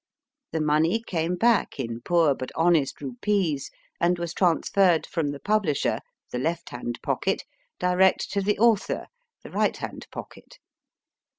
The money came back in poor but honest rupees, and was transferred from the publisher, the left hand pocket, direct to the author, the right hand pocket.